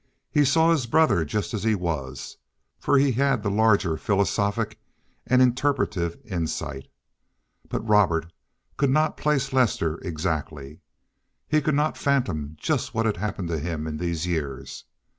He saw his brother just as he was, for he had the larger philosophic and interpretative insight; but Robert could not place Lester exactly. He could not fathom just what had happened to him in these years.